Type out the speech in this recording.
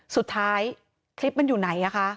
สุดท้ายคลิปมันอยู่ไหนคะ